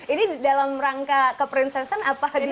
ini dalam rangka keprinsesan apa di daya